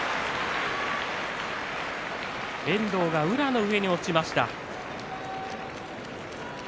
遠藤が宇良の上に落ちました。